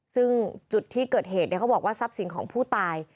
ซึ่งจุดที่เกิดเหตุเขาบอกว่าทรัพย์สินของผู้ตาย